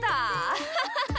アハハハ。